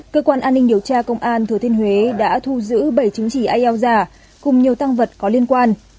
cơ quan an ninh điều tra công an thừa thiên huế đã thu giữ bảy chứng chỉ ielts giả cùng nhiều tăng vật có liên quan